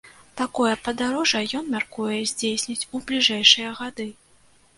Такое падарожжа ён мяркуе здзейсніць у бліжэйшыя гады.